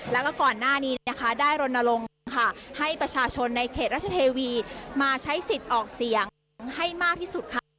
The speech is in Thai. แล้วก็ก่อนหน้านี้นะคะได้รณรงค์ค่ะให้ประชาชนในเขตราชเทวีมาใช้สิทธิ์ออกเสียงให้มากที่สุดค่ะ